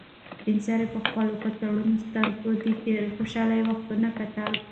سپین سرې په خپل کڅوړنو سترګو کې تېر خوشحاله وختونه کتل.